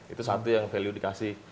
itu satu yang value dikasih